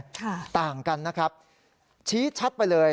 ต่างกันนะครับชี้ชัดไปเลย